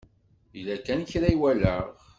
Yella kan kra i walaɣ.